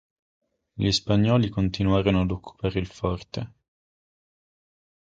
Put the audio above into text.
Gli spagnoli continuarono ad occupare il forte.